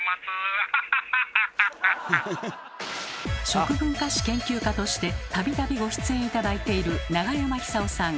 食文化史研究家として度々ご出演頂いている永山久夫さん